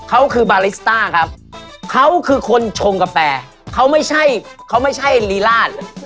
เขาคือบาริสต้าครับเขาคือคนชงกาแฟเขาไม่ใช่เขาไม่ใช่ลีลาด